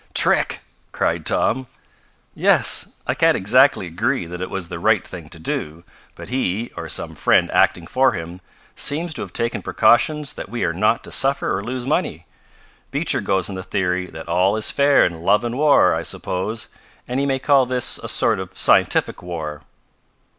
"Trick!" cried Tom. "Yes. I can't exactly agree that it was the right thing to do, but he, or some friend acting for him, seems to have taken precautions that we are not to suffer or lose money. Beecher goes on the theory that all is fair in love and war, I suppose, and he may call this a sort of scientific war."